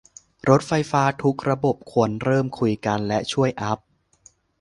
รถไฟฟ้าทุกระบบควรเริ่มคุยกัน และช่วยอัพ